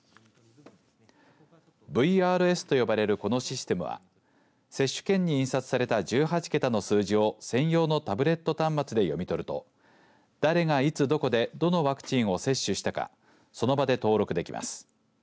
ＶＲＳと呼ばれるこのシステムは接種券に印刷された１８桁の数字を専用のタブレット端末で読み取ると誰がいつどこでどのワクチンを接種したかその場で登録できます。